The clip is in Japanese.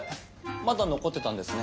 まだ残ってたんですね。